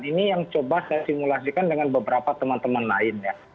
ini yang coba saya simulasikan dengan beberapa teman teman lain ya